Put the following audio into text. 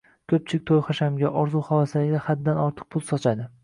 Ko‘pchilik to‘y-hashamga, orzu-havaslarga haddan ortiq pul sochadi